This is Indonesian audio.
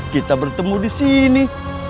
kita bertemu disini